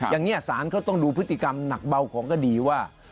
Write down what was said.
อย่างนี้สารเขาต้องดูพฤติกรรมหนักเบาของคดีว่า